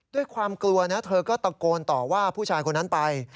ด้วยความกลัวนะเธอก็ตะโกนต่อว่าผู้ชายคนนั้นไป